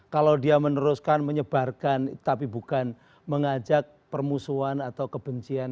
kalau dia meneruskan menyebarkan tapi bukan mengajak permusuhan atau kebencian